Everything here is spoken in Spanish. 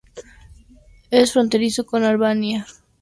Es fronterizo con Albania y con Macedonia del Norte.